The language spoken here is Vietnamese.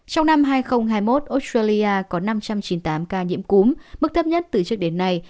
trong năm hai nghìn hai mươi một australia có năm trăm chín mươi tám ca nhiễm cúm mức thấp nhất từ trước đến nay